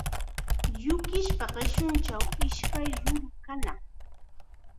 Yukispa qishunchaw ishkay ruru kanaq.